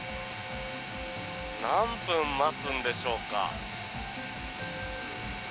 何分待つんでしょうか。